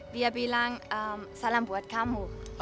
dia bilang salam buat kamu